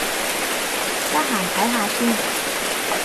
得閒睇下先